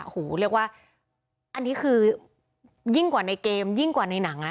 เรียกว่าอันนี้คือยิ่งกว่าในเกมยิ่งกว่าในหนังนะ